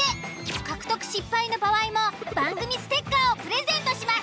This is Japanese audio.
獲得失敗の場合も番組ステッカーをプレゼントします。